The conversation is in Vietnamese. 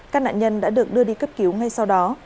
các nạn nhân đã được đưa đi cấp cứu ngay sau đó